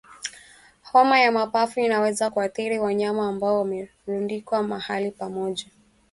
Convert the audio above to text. Homa ya mapafu inaweza kuathiri wanyama ambao wamerundikwa mahali pamoja